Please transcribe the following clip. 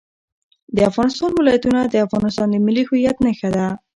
د افغانستان ولايتونه د افغانستان د ملي هویت نښه ده.